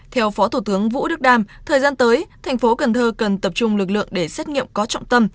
theo phó thủ tướng vũ đức đam thời gian tới thành phố cần thơ cần tập trung lực lượng để xét nghiệm có trọng tâm